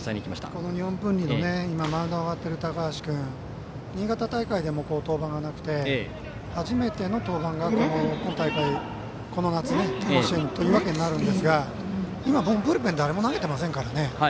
この日本文理の今、マウンドに上がっている高橋君新潟大会でも登板がなくて初めての登板がこの今大会、この夏甲子園となるんですが今、ブルペン誰も投げてませんからね。